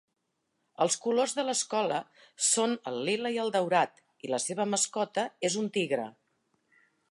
Els colors de l'escola són el lila i el daurat, i la seva mascota és un tigre.